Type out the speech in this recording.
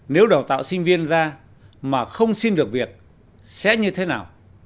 nếu đào tạo sinh viên ra mà không xin được việc sẽ như thế nào